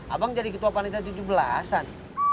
abang jadi ketua panitia tujuh belas an